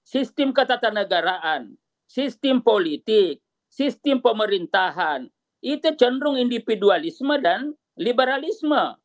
sistem ketatanegaraan sistem politik sistem pemerintahan itu cenderung individualisme dan liberalisme